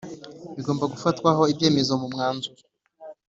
bigomba gufatwaho ibyemezo mu mwanzuro